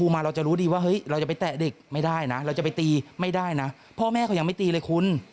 ไม่ได้นะเราจะไปตีไม่ได้นะพ่อแม่เขายังไม่ตีเลยคุณ